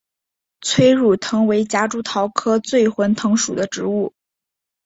催乳藤为夹竹桃科醉魂藤属的植物。